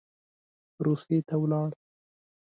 روسیې ته ولاړ.